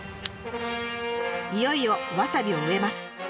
いよいよわさびを植えます。